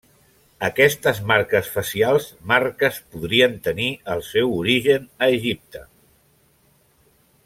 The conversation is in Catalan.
Aquestes marques facials marques podrien tenir el seu origen a Egipte.